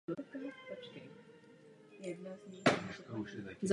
Nyní se věnuje charitě a ochraně životního prostředí.